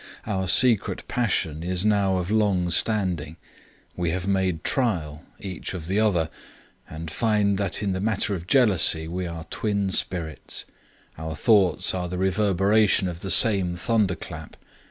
Our secret passion is now of long standing; we have made trial, each of the other, and find that in the matter of jealousy we are twin spirits; our thoughts are the reverberation of the same thunderclap.